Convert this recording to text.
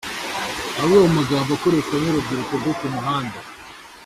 Amwe mu magambo akoreshwa n’urubyiruko rwo ku muhanda